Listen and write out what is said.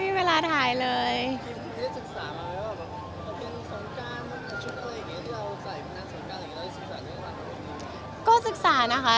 มีนานสร้างการอะไรอย่างนี้แล้วศึกษาด้วยหรือเปล่า